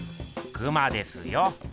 クマですよ。